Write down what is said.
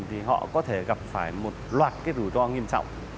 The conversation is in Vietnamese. thì họ có thể gặp phải một loạt cái rủi ro nghiêm trọng